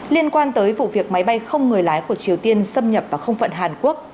liên quan tới vụ việc máy bay không người lái của triều tiên xâm nhập vào không phận hàn quốc